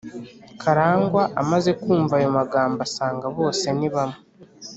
karangwa amaze kumva ayo magambo asanga bose ni bamwe